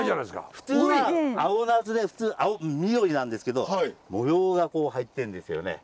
普通は青ナスで普通緑なんですけど模様がこう入ってるんですよね。